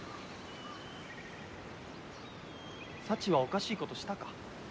サチはおかしいことしたか？